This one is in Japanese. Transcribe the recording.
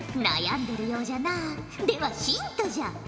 悩んでるようじゃなではヒントじゃ。